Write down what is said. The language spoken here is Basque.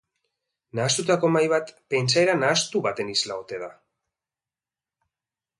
Nahastutako mahai bat pentsaera nahastu baten isla ote da?